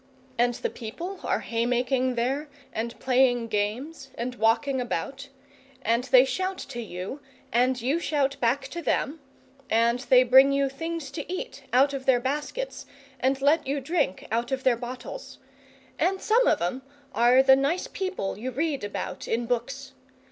And the people are haymaking there, and playing games, and walking about; and they shout to you, and you shout back to them, and they bring you things to eat out of their baskets, and let you drink out of their bottles; and some of 'em are the nice people you read about in books.